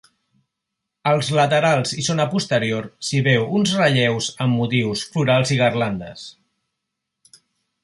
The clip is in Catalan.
Als laterals i zona posterior, s'hi veu uns relleus amb motius florals i garlandes.